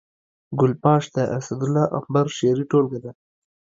ګل پاش د اسدالله امبر شعري ټولګه ده